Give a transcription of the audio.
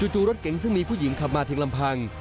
จู่รถเก๋งซึ่งมีผู้หญิงขับมาเพียงลำพัง